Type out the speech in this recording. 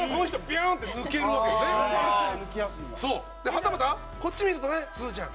はたまたこっち見るとね、すずちゃん。